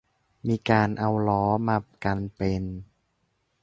มีการเอาล้อมากันเป็น